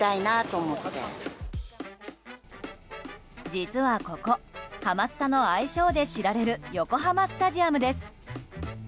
実はここハマスタの愛称で知られる横浜スタジアムです。